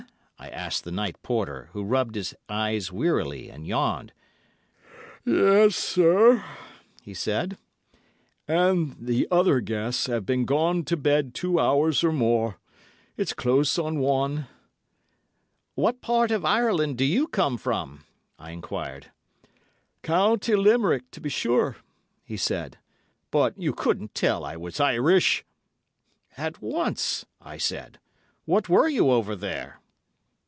I asked the night porter, who rubbed his eyes wearily and yawned. "Yes, sir," he said; "the other guests have been gone to bed two hours or more. It's close on one." "What part of Ireland do you come from?" I enquired. "County Limerick, to be sure," he said; "but you couldn't tell I was Irish!" "At once," I said. "What were you over there?"